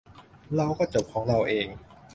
เราก็จบของเราเอง